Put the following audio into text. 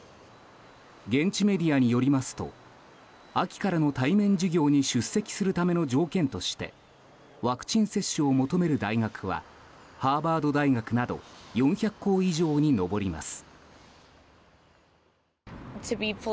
現地メディアによりますと秋からの対面授業に出席するための条件としてワクチン接種を求める大学はハーバード大学など４００校以上に上ります。